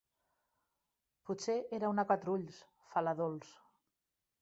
Potser era una quatre-ulls, fa la Dols.